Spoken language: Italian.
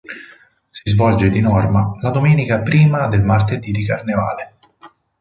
Si svolge di norma la domenica prima del martedì di carnevale.